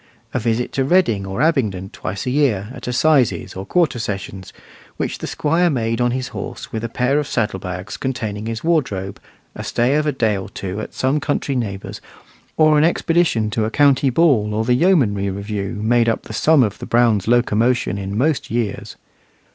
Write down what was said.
A visit to Reading or Abingdon twice a year, at assizes or quarter sessions, which the Squire made on his horse with a pair of saddle bags containing his wardrobe, a stay of a day or two at some country neighbour's, or an expedition to a county ball or the yeomanry review, made up the sum of the Brown locomotion in most years.